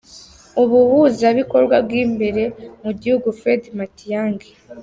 Ubuhuzabikorwa bw’ imbere mu gihugu – Fred Matiangi.